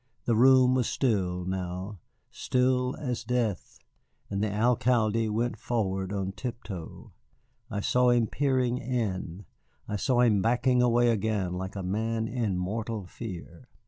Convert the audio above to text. The room was still now, still as death, and the Alcalde went forward on tiptoe. I saw him peering in, I saw him backing away again like a man in mortal fear.